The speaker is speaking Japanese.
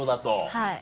はい。